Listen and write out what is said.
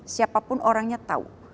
siapapun orangnya tahu